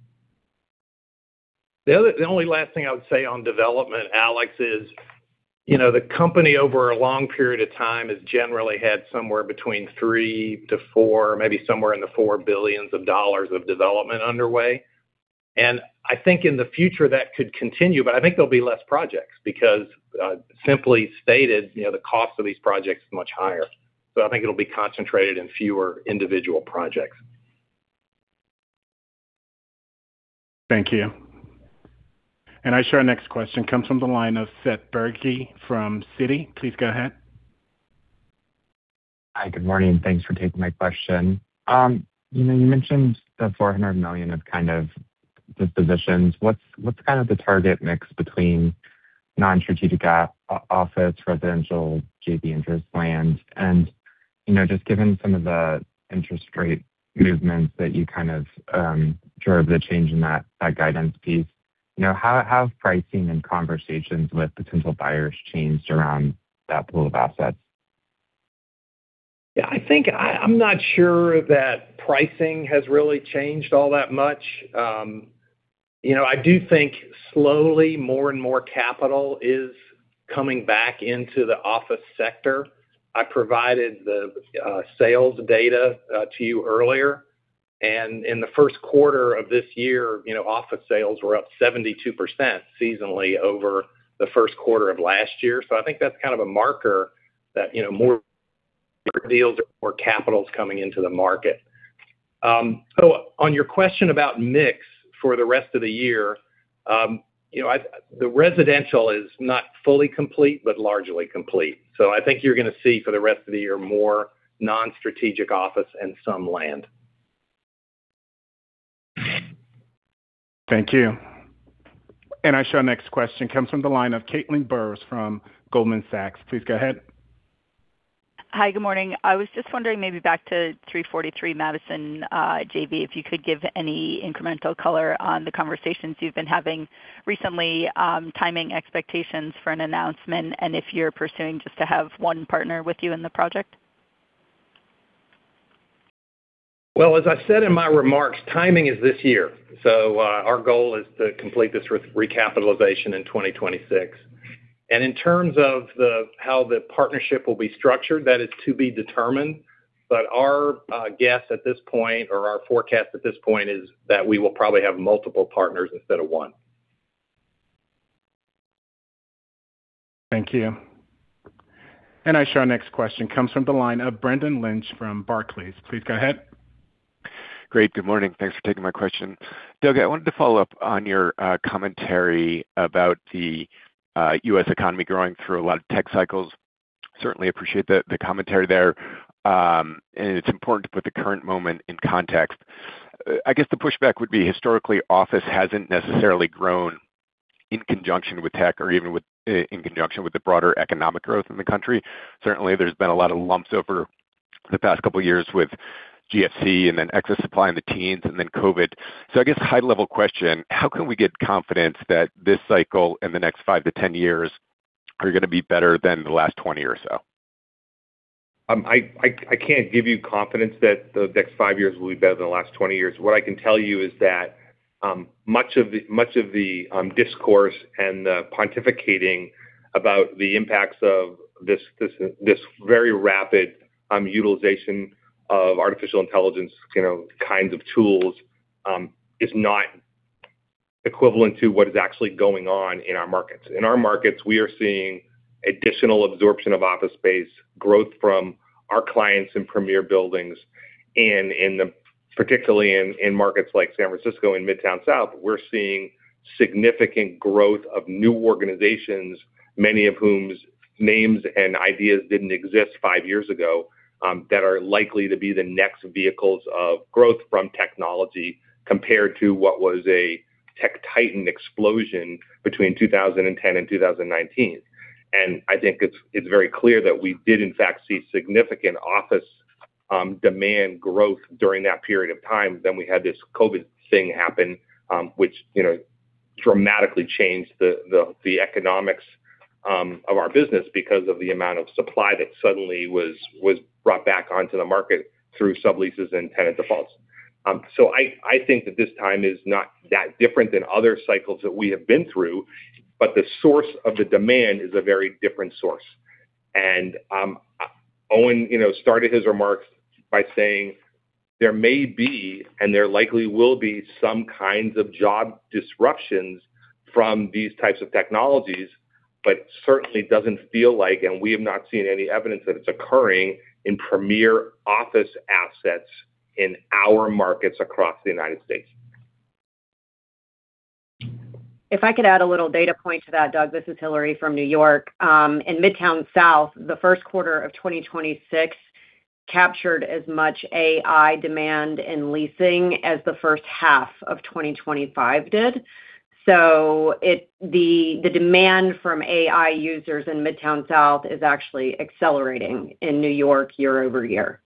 The only last thing I would say on development, Alex, is, you know, the company over a long period of time has generally had somewhere between 3-4, maybe somewhere in the $4 billion of development underway. I think in the future that could continue, but I think there'll be less projects because, simply stated, you know, the cost of these projects is much higher. I think it'll be concentrated in fewer individual projects. Thank you. I show our next question comes from the line of Seth Berge from Citi. Please go ahead. Hi, good morning. Thanks for taking my question. you know, you mentioned the $400 million of kind of dispositions. What's kind of the target mix between non-strategic office, residential, JV interest land? you know, just given some of the interest rate movements that you kind of drove the change in that guidance piece, you know, how have pricing and conversations with potential buyers changed around that pool of assets? Yeah, I'm not sure that pricing has really changed all that much. You know, I do think slowly more and more capital is coming back into the office sector. I provided the sales data to you earlier. In the first quarter of this year, you know, office sales were up 72% seasonally over the first quarter of last year. I think that's kind of a marker that, you know, more deals or more capital's coming into the market. On your question about mix for the rest of the year, you know, the residential is not fully complete, but largely complete. I think you're gonna see for the rest of the year, more non-strategic office and some land. Thank you. I show our next question comes from the line of Caitlin Burrows from Goldman Sachs. Please go ahead. Hi, good morning. I was just wondering, maybe back to 343 Madison, JV, if you could give any incremental color on the conversations you've been having recently, timing expectations for an announcement, and if you're pursuing just to have one partner with you in the project. Well, as I said in my remarks, timing is this year. Our goal is to complete this re-recapitalization in 2026. In terms of how the partnership will be structured, that is to be determined. Our guess at this point or our forecast at this point is that we will probably have multiple partners instead of 1. Thank you. I show our next question comes from the line of Brendan Lynch from Barclays. Please go ahead. Great. Good morning. Thanks for taking my question. Doug, I wanted to follow up on your commentary about the U.S. economy growing through a lot of tech cycles. Certainly appreciate the commentary there. It's important to put the current moment in context. I guess the pushback would be historically, office hasn't necessarily grown in conjunction with tech or even with in conjunction with the broader economic growth in the country. Certainly, there's been a lot of lumps over the past couple of years with GFC and then excess supply in the teens and then COVID. I guess high level question, how can we get confidence that this cycle in the next 5-10 years are gonna be better than the last 20 or so? I can't give you confidence that the next five years will be better than the last 20 years. What I can tell you is that, much of the discourse and the pontificating about the impacts of this very rapid utilization of artificial intelligence, you know, kinds of tools, is not equivalent to what is actually going on in our markets. In our markets, we are seeing additional absorption of office space growth from our clients in premier buildings. Particularly in markets like San Francisco and Midtown South, we're seeing significant growth of new organizations, many of whom names and ideas didn't exist five years ago, that are likely to be the next vehicles of growth from technology compared to what was a tech titan explosion between 2010 and 2019. I think it's very clear that we did in fact see significant office demand growth during that period of time. We had this COVID thing happen, which, you know, dramatically changed the, the economics of our business because of the amount of supply that suddenly was brought back onto the market through subleases and tenant defaults. I think that this time is not that different than other cycles that we have been through, but the source of the demand is a very different source. Owen, you know, started his remarks by saying there may be, and there likely will be some kinds of job disruptions from these types of technologies, but it certainly doesn't feel like, and we have not seen any evidence that it's occurring in premier office assets in our markets across the U.S. If I could add a little data point to that, Doug. This is Hilary from New York. In Midtown South, the first quarter of 2026 captured as much AI demand in leasing as the first half of 2025 did. The demand from AI users in Midtown South is actually accelerating in New York year-over-year.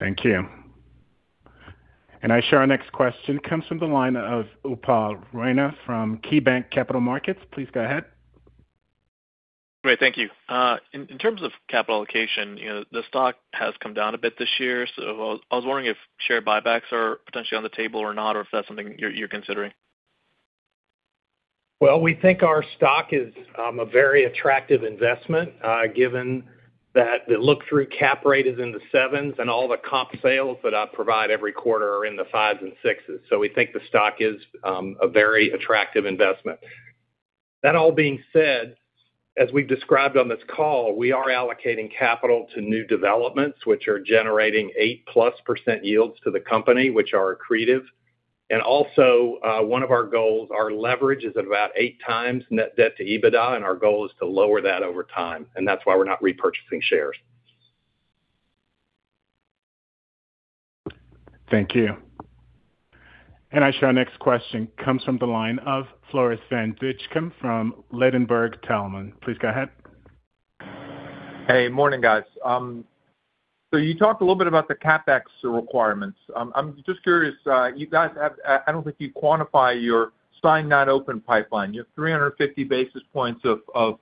Thank you. I show our next question comes from the line of Upal Rana from KeyBanc Capital Markets. Please go ahead. Great. Thank you. In terms of capital allocation, you know, the stock has come down a bit this year. I was wondering if share buybacks are potentially on the table or not, or if that's something you're considering. Well, we think our stock is a very attractive investment, given that the look-through cap rate is in the 7s, and all the comp sales that I provide every quarter are in the 5s and 6s. We think the stock is a very attractive investment. That all being said, as we've described on this call, we are allocating capital to new developments which are generating 8%+ yields to the company, which are accretive. One of our goals, our leverage is about 8 times net debt to EBITDA, and our goal is to lower that over time. That's why we're not repurchasing shares. Thank you. I show our next question comes from the line of Floris van Dijkum from Ladenburg Thalmann. Please go ahead. Hey, morning guys. You talked a little bit about the CapEx requirements. I'm just curious, I don't think you quantify your signed, not open pipeline. You have 350 basis points of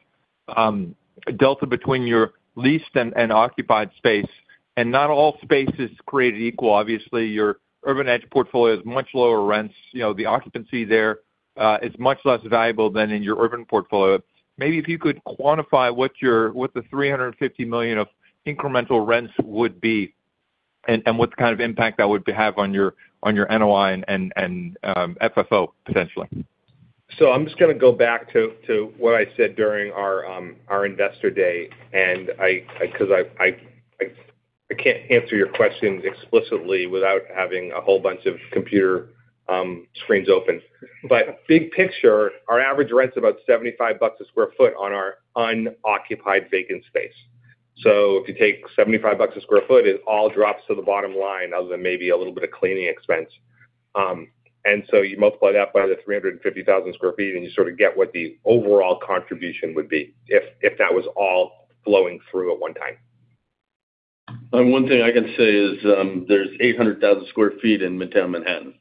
delta between your leased and occupied space. Not all space is created equal. Obviously, your Urban Edge portfolio has much lower rents. You know, the occupancy there is much less valuable than in your urban portfolio. Maybe if you could quantify what the $350 million of incremental rents would be and what kind of impact that would have on your NOI and FFO potentially. I'm just gonna go back to what I said during our investor day. I can't answer your questions explicitly without having a whole bunch of computer screens open. Big picture, our average rent's about $75 a square foot on our unoccupied vacant space. If you take $75 a square foot, it all drops to the bottom line, other than maybe a little bit of cleaning expense. You multiply that by the 350,000 square feet, and you sort of get what the overall contribution would be if that was all flowing through at one time. One thing I can say is, there's 800,000 sq ft in Midtown Manhattan.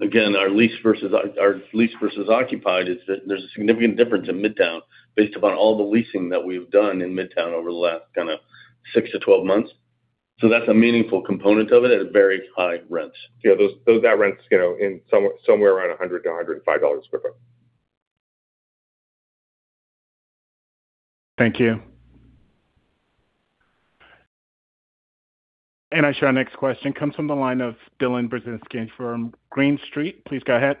Again, our lease versus occupied is that there's a significant difference in Midtown based upon all the leasing that we've done in Midtown over the last kinda 6-12 months. That's a meaningful component of it at a very high rent. Yeah, those that rent's, you know, in somewhere around $100-$105 sq ft. Thank you. I show our next question comes from the line of Dylan Burzinski from Green Street. Please go ahead.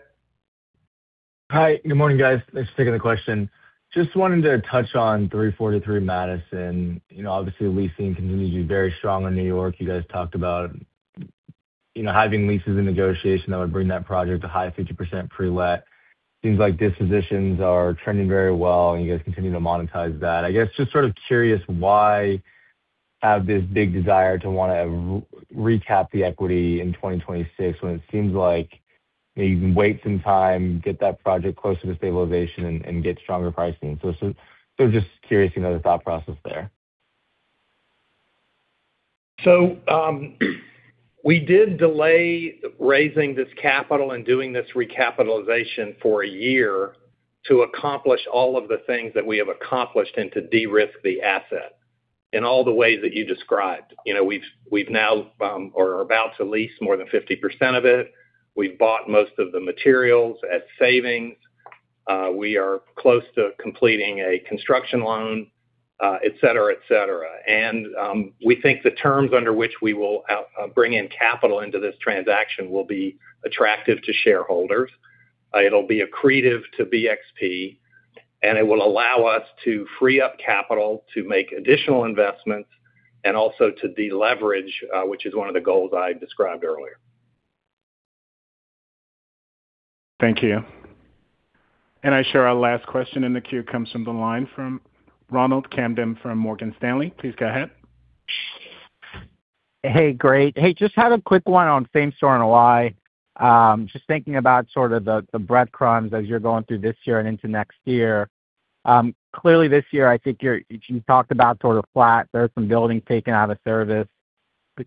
Hi. Good morning, guys. Thanks for taking the question. Just wanted to touch on 343 Madison. You know, obviously leasing continues to be very strong in New York. You guys talked about, you know, having leases in negotiation that would bring that project to high 50% pre-let. Seems like dispositions are trending very well, and you guys continue to monetize that. I guess, just sort of curious why have this big desire to wanna re-recap the equity in 2026 when it seems like maybe you can wait some time, get that project closer to stabilization and get stronger pricing. Just curious, you know, the thought process there. We did delay raising this capital and doing this recapitalization for a year to accomplish all of the things that we have accomplished and to de-risk the asset in all the ways that you described. You know, we've now or are about to lease more than 50% of it. We've bought most of the materials at savings. We are close to completing a construction loan, et cetera, et cetera. We think the terms under which we will bring in capital into this transaction will be attractive to shareholders. It'll be accretive to BXP, and it will allow us to free up capital to make additional investments and also to deleverage, which is one of the goals I described earlier. Thank you. I show our last question in the queue comes from the line from Ronald Kamdem from Morgan Stanley. Please go ahead. Hey, great. Hey, just had a quick one on same-store NOI. Just thinking about sort of the breadcrumbs as you're going through this year and into next year. Clearly this year, I think you talked about sort of flat. There are some buildings taken out of service.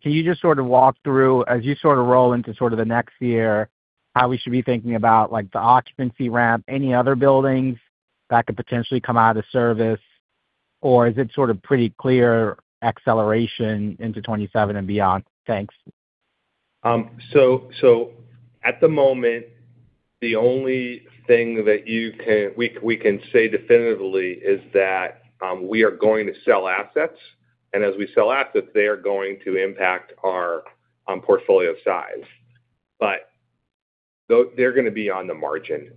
Can you just sort of walk through, as you sort of roll into sort of the next year, how we should be thinking about, like, the occupancy ramp, any other buildings that could potentially come out of service? Is it sort of pretty clear acceleration into 2027 and beyond? Thanks. At the moment, the only thing that we can say definitively is that we are going to sell assets. As we sell assets, they are going to impact our portfolio size. They're gonna be on the margin.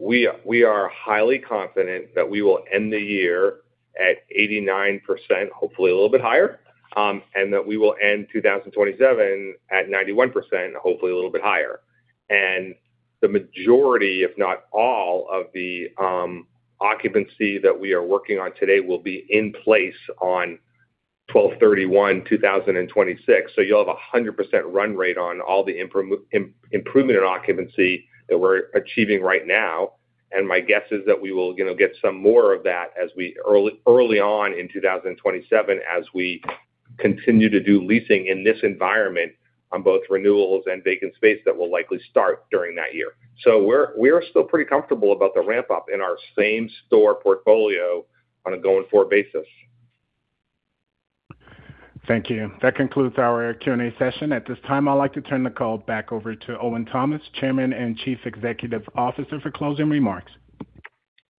We are highly confident that we will end the year at 89%, hopefully a little bit higher, and that we will end 2027 at 91%, hopefully a little bit higher. The majority, if not all of the occupancy that we are working on today, will be in place on 12/31/2026. You'll have a 100% run rate on all the improvement in occupancy that we're achieving right now. My guess is that we will, you know, get some more of that as we early on in 2027 as we continue to do leasing in this environment on both renewals and vacant space that will likely start during that year. We are still pretty comfortable about the ramp-up in our same store portfolio on a going-forward basis. Thank you. That concludes our Q&A session. At this time, I'd like to turn the call back over to Owen Thomas, Chairman and Chief Executive Officer, for closing remarks.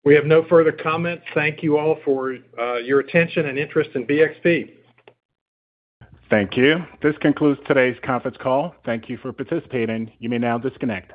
We have no further comments. Thank you all for your attention and interest in BXP. Thank you. This concludes today's conference call. Thank you for participating. You may now disconnect.